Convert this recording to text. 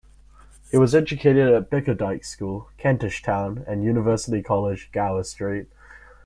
He was educated at Bickerdike's school, Kentish Town, and University College, Gower Street.